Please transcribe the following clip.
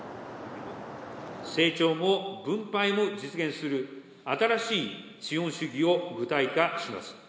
成長も分配も実現する新しい資本主義を具体化します。